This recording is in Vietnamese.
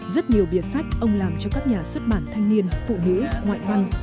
rất nhiều biệt sách ông làm cho các nhà xuất bản thanh niên phụ nữ ngoại văn